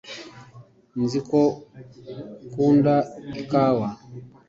nzi ko ukunda ikawa